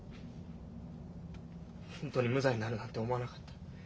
本当に無罪になるなんて思わなかった。